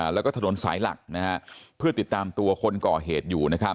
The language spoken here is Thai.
แล้วก็ถนนสายหลักเพื่อติดตามตัวคนก่อเหตุอยู่